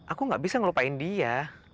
aku gak bisa ngelupain dia